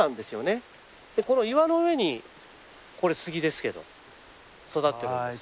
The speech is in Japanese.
この岩の上にこれ杉ですけど育ってるんです。